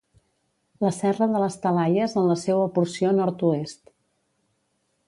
la serra de les Talaies en la seua porció nord-oest